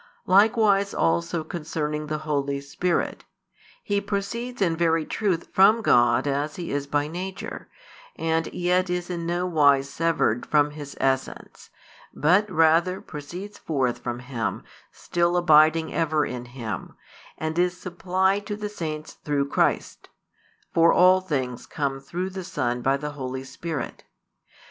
Likewise also concerning the Holy Spirit: He proceeds in very truth from God as He is by nature, and yet is in no wise severed from His essence; but rather proceeds forth from Him, still abiding ever in Him, and is supplied to the saints through Christ; for all things come through the Son by the Holy Spirit.